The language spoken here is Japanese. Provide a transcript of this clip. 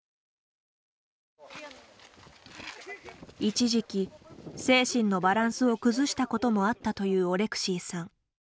一時期、精神のバランスを崩したこともあったというオレクシーさん。